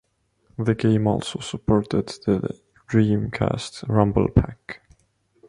The game also supported the Dreamcast rumble pack.